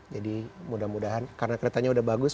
jadi mudah mudahan karena keretanya udah bagus